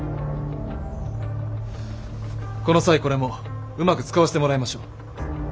この際これもうまく使わせてもらいましょう。